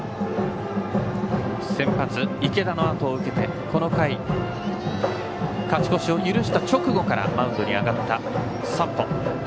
先発の池田のあとを受けてこの回勝ち越しを許した直後からマウンドに上がった山保。